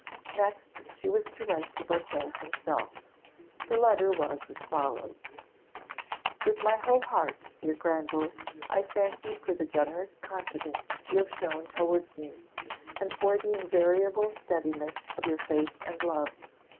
Next, she was to write to Beauclerc himself. Her letter was as follows: "With my whole heart, dear Granville, I thank you for the generous confidence you have shown towards me, and for the invariable steadiness of your faith and love.